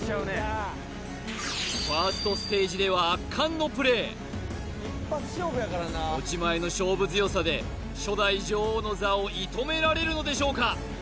ファーストステージでは持ち前の勝負強さで初代女王の座を射止められるのでしょうか？